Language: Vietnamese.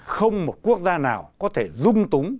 không một quốc gia nào có thể dung túng